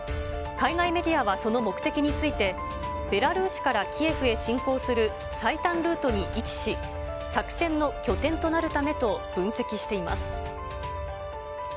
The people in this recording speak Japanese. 海外メディアはその目的について、ベラルーシからキエフへ侵攻する最短ルートに位置し、作戦の拠点となるためと分析しています。